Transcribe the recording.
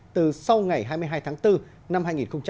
từ sau ngày hai mươi hai tháng bốn năm hai nghìn hai mươi